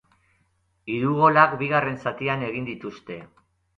Hiru golak bigarren zatian egin dituzte.